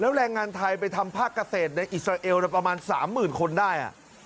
แล้วแรงงานไทยไปทำภาคเกษตรในอิสราเอลประมาณ๓๐๐๐คนได้